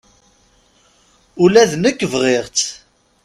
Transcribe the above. Ula d nekk bɣiɣ-tt.